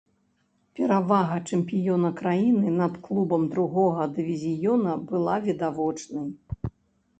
Перавага чэмпіёна краіны над клубам другога дывізіёна была відавочнай.